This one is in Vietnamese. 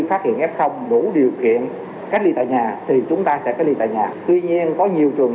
phát hiện f đủ điều kiện cách ly tại nhà thì chúng ta sẽ cách ly tại nhà tuy nhiên có nhiều trường